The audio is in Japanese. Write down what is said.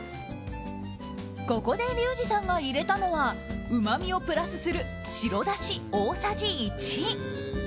ここでリュウジさんが入れたのはうまみをプラスする白だし、大さじ１。